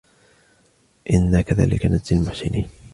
إِنَّا كَذَلِكَ نَجْزِي الْمُحْسِنِينَ